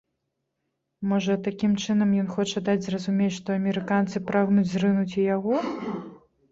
Можа, такім чынам ён хоча даць зразумець, што амерыканцы прагнуць зрынуць і яго?